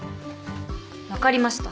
分かりました。